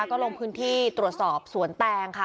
ก็ลงพื้นที่ตรวจสอบสวนแตงค่ะ